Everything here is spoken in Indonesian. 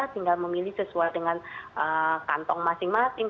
tinggal memilih sesuai dengan kantong masing masing